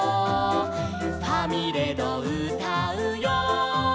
「ファミレドうたうよ」